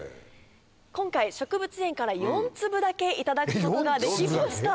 今回植物園から４粒だけ頂くことができました。